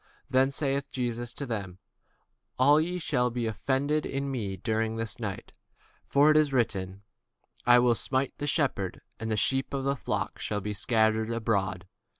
Then saith Jesus unto them, All ye shall be offended because of me this night: for it is written, I will smite the shepherd, and the sheep of the flock shall be scattered abroad.